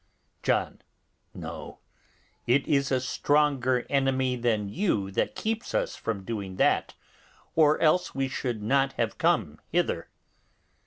John. No; it is a stronger enemy than you that keeps us from doing that, or else we should not have come hither.